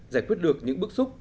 giải quyết được những bức xúc